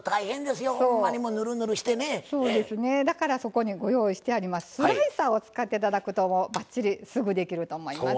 だからそこにご用意してありますスライサーを使っていただくとばっちりすぐできると思います。